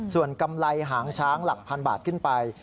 ส่วนกำไรหางช้างหลักพันบาทขึ้นไป